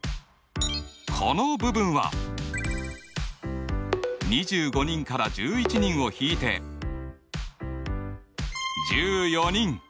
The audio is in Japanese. この部分は２５人から１１人を引いて１４人。